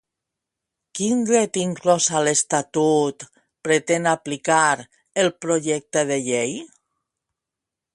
Quin dret inclòs a l'estatut pretén aplicar el projecte de llei?